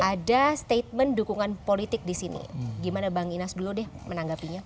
ada statement dukungan politik di sini gimana bang inas dulu deh menanggapinya